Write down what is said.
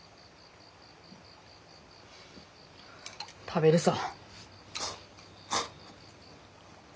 食べるさ。